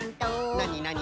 なになに？